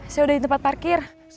saya udah di tempat parkir